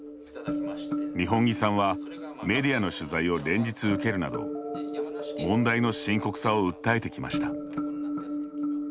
二本樹さんは、メディアの取材を連日、受けるなど問題の深刻さを訴えてきました。